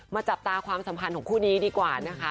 จับตาความสัมพันธ์ของคู่นี้ดีกว่านะคะ